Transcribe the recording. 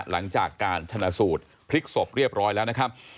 หลังจากการชนะสูตรพลิกศพเรียบร้อยแล้วนะครับ